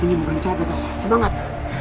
ini bukan cabai semangat